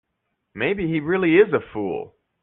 Maybe he really is a fool.